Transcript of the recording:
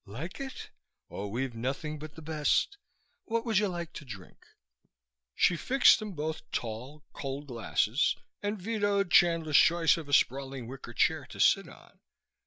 "Like it? Oh, we've nothing but the best. What would you like to drink?" She fixed them both tall, cold glasses and vetoed Chandler's choice of a sprawling wicker chair to sit on.